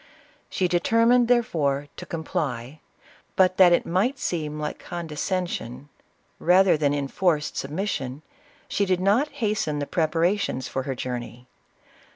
She determined, there fore, to comply ; but that it might seem like condescen sion, rather that enforced submission, she did not has ten the preparations for her journey.